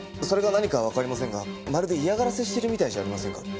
それが何かはわかりませんがまるで嫌がらせしてるみたいじゃありませんか。